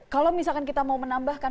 kalau misalkan kita mau menambahkan